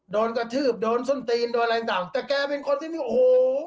โดนกระทืบโดนส้นตีนโดนอะไรต่างแต่แกเป็นคนที่นี่โอ้โห